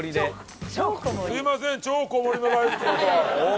すみません。